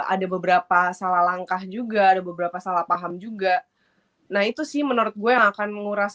ada beberapa salah langkah juga ada beberapa salah paham juga nah itu sih menurut gue yang akan menguras